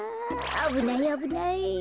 あぶないあぶない。